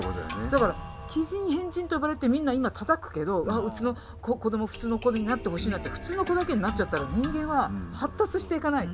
だから奇人変人と呼ばれてみんな今たたくけどうちの子供普通の子になってほしいなって普通の子だけになっちゃったら人間は発達していかない。